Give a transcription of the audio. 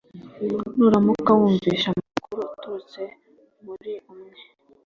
nuramuka wumvise amakuru aturutse muri umwe